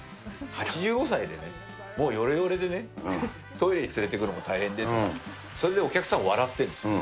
８５歳でね、もうよれよれでね、トイレに連れて行くのも大変でって、それでお客さんが笑ってるんですよ。